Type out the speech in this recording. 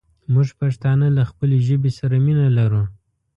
مونږ پښتانه له خپلې ژبې سره مينه لرو